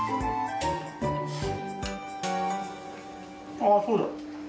あ、そうだ。